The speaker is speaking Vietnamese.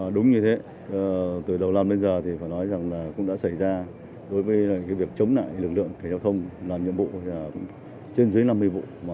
đúng như thế từ đầu năm đến giờ thì phải nói rằng là cũng đã xảy ra đối với việc chống lại lực lượng cảnh giao thông làm nhiệm vụ trên dưới năm mươi vụ